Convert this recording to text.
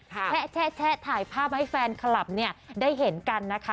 แชะถ่ายภาพให้แฟนคลับเนี่ยได้เห็นกันนะคะ